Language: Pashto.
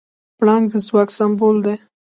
پړانګ د ځواک سمبول دی.